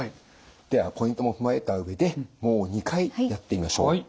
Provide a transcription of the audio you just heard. ではポイントも踏まえた上でもう２回やってみましょう。